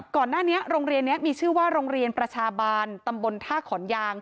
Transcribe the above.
ก่อนหน้านี้โรงเรียนนี้มีชื่อว่าโรงเรียนประชาบาลตำบลท่าขอนยาง